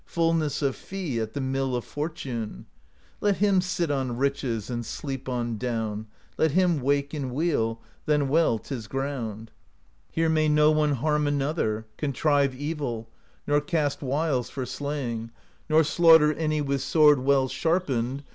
i64 PROSE EDDA Fullness of fee At the mill of fortune : Let him sit on riches And sleep on down; Let him wake in weal: Then well 't is ground. 'Here may no one Harm another, Contrive evil, Nor cast wiles for slaying, Nor slaughter any With sword well sharpened.